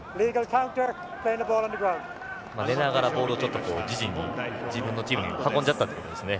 寝ながらボールを自陣に自分のチームに運んじゃったってことですね。